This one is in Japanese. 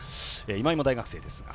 今井も大学生ですが。